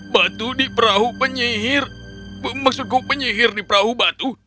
batu di perahu penyihir mesukung penyihir di perahu batu